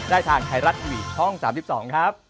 ได้ทางไทรัตวีช่อง๓๒ครับ